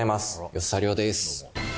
吉沢亮です。